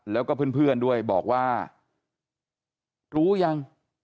แล้วก็เพื่อนด้วยบอกว่ารู้ยัง